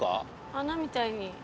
穴みたいに。